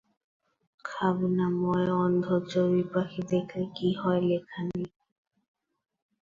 খাবনাময় অন্ধ চড়ুই পাখি দেখলে কী হয় লেখা নেই।